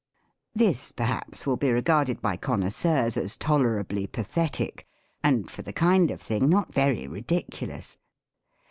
This, perhaps, will be regarded by connoisseurs as tolerably pathetic, and for the kind of thing not very ridiculous.